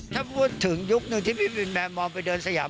ถ้าพูดถึงยุคนึงที่พี่บินแบบมองไปเดินสยาม